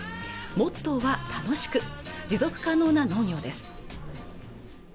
モットーは楽しく持続可能な農業です